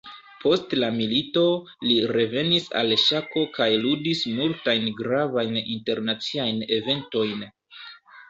Post la milito, li revenis al ŝako kaj ludis multajn gravajn internaciajn eventojn.